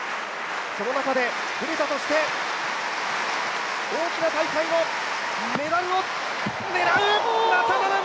その中でブレタとして大きな大会のメダルを狙う！